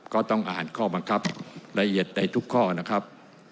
ก็ต้องอ่านข้อบังคับละเอียดในทุกข้อนะครับ